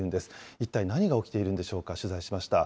一体何が起きているんでしょうか、取材しました。